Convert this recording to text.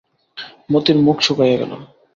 মতির মুখ শুকাইয়া গেল।